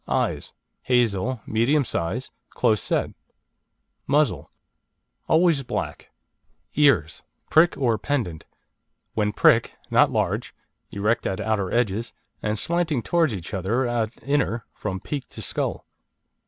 Eyes: hazel, medium size, close set. Muzzle: always black. EARS (PRICK OR PENDANT) When prick, not large, erect at outer edges, and slanting towards each other at inner, from peak to skull.